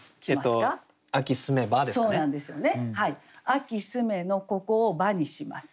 「秋澄め」のここを「ば」にします。